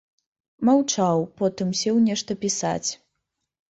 Маўчаў, потым сеў нешта пісаць.